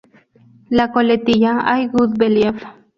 La coletilla "I gotta believe!